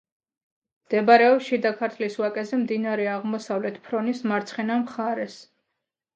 მდებარეობს შიდა ქართლის ვაკეზე, მდინარე აღმოსავლეთ ფრონის მარცხენა მხარეს.